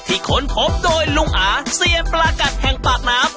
ค้นพบโดยลุงอาเซียนปลากัดแห่งปากน้ำ